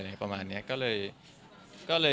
ไม่ทำเพราะครอบครัวครับ